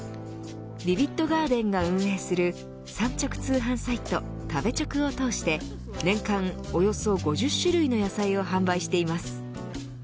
ビビッドガーデンが運営する産直通販サイト食べチョクを通して年間およそ５０種類の野菜を販売しています。